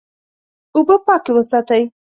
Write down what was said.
اوبه پاکې وساتئ.